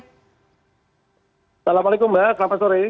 assalamualaikum mbak selamat sore